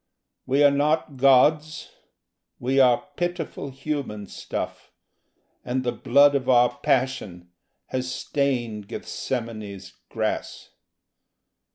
We are not gods: we are pitiful human stuff; And the blood of our passion has stained Gethsemane's grass.